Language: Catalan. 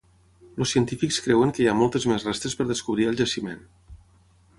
Els científics creuen que hi ha moltes més restes per descobrir al jaciment.